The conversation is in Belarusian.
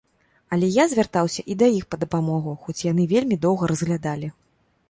Але я звяртаўся і да іх па дапамогу, хоць яны вельмі доўга разглядалі.